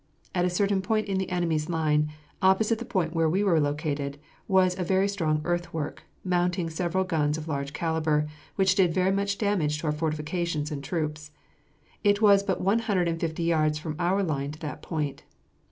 At a certain point in the enemy's line, opposite the point where we were located, was a very strong earthwork, mounting several guns of large calibre, which did very much damage to our fortifications and troops. It was but one hundred and fifty yards from our line to that point.